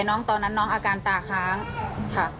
ตอนนั้นน้องอาการตาค้างค่ะ